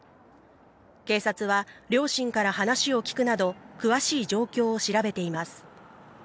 警察は両親から話を聴くなど、詳しい状況を調べています。